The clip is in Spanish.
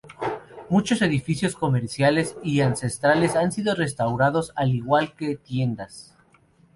Muchos edificios comerciales y ancestrales han sido restaurados al igual que tiendas.